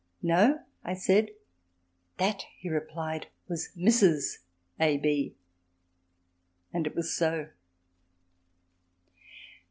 "No," said I. "That," he replied, "was Mrs. A. B." And it was so.